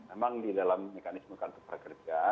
emang di dalam mekanisme kartu prakerja